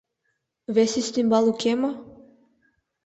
Вес ӱстембал уке мо?